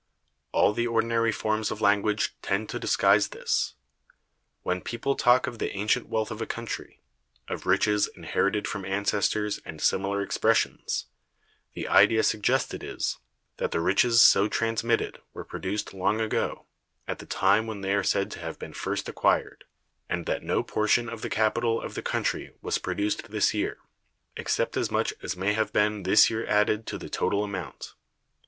All the ordinary forms of language tend to disguise this. When people talk of the ancient wealth of a country, of riches inherited from ancestors, and similar expressions, the idea suggested is, that the riches so transmitted were produced long ago, at the time when they are said to have been first acquired, and that no portion of the capital of the country was produced this year, except as much as may have been this year added to the total amount.